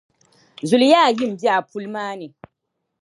Zuliya ayi m-be a pul’ maa ni.